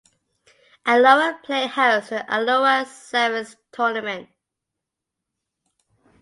Alloa play host to the Alloa Sevens tournament.